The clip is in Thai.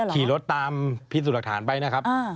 ขี่รถตามพิสูจน์หลักฐานไปนะครับ